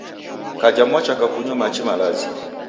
Kaja mwachaka kunyo machi malazi